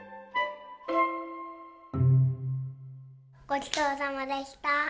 ごちそうさまでした！